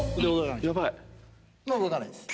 もう動かないです。